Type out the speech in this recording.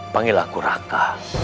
panggil aku raka